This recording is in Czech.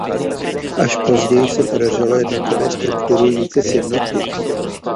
Až později se podařilo jednotlivé struktury více sjednotit.